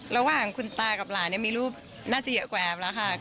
คือระหว่างคุณตากับหลานเนี่ยมีรูปน่าจะเยอะแม่บแล้วค่ะ